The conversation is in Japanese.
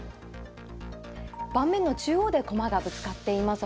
盤面の中央で駒がぶつかっています。